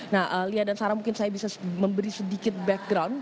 nah lia dan sarah mungkin saya bisa memberi sedikit background